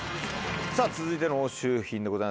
さぁ続いての押収品でございます。